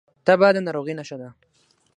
تبه د ناروغۍ نښه ده